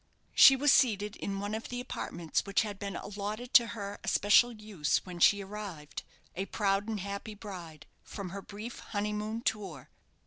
She was seated in one of the apartments which had been allotted to her especial use when she arrived, a proud and happy bride, from her brief honeymoon tour.